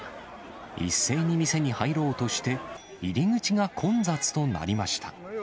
一斉に店に入ろうとして、入り口が混雑となりました。